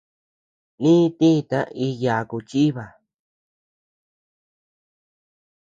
Lï tita y yaku chiba.